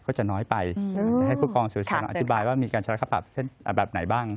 ก็จะน้อยไปให้ผู้กองศูชัยอธิบายว่ามีการชำรักค่าปรับแบบไหนบ้าง